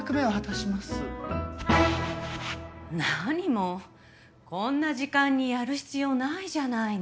何もこんな時間にやる必要ないじゃないの。